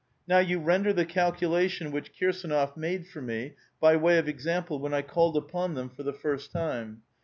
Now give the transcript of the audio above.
Now you render the calculation which Kirs^nof made for me by way of example, when I called upon them for the first time.